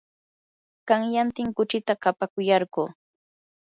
qanyantin kuchita kapakuyarquu.